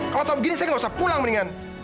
kalau tau begini saya gak usah pulang mendingan